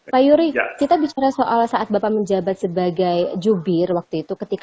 pak yuri kita bicara soal saat bapak menjabat sebagai jubir waktu itu ketika